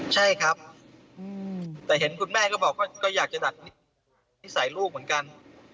ใช่ครับแต่เห็นคุณแม่ก็บอกว่าก็อยากจะดัดนิสัยลูกเหมือนกัน